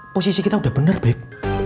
posisi kita udah bener bek